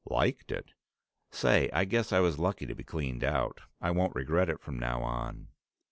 "Liked it! Say, I guess I was lucky to be cleaned out. I won't regret it from now on."